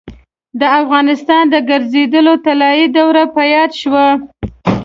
د افغانستان د ګرځندوی طلایي دوره په یاد شوه.